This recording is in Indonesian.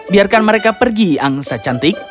biarkan mereka pergi angsa cantik